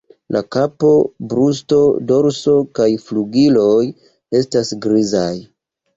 La kapo, brusto, dorso kaj la flugiloj estas grizaj.